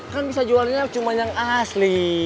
kan bisa jualnya cuma yang asli